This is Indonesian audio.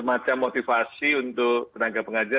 semacam motivasi untuk tenaga pengajar